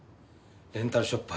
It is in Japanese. レンタルショップ